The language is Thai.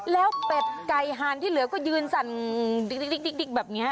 แล้วเป็ดไก่หานที่เหลือก็ยืนสั่นดิ๊กแบบนี้